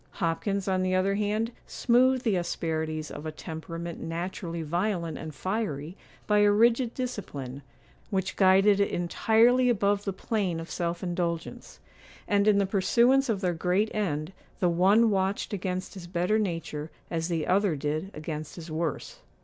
Hopkins, on the other hand, smoothed the asperities of a temperament naturally violent and fiery by a rigid discipline, which guided it entirely above the plane of self indulgence; and, in the pursuance of their great end, the one watched against his better nature as the other did against his worse.